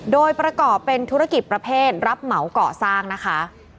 โดยประกอบเป็นธุรกิจประเภทรับเหมาก่อสร้างนะคะ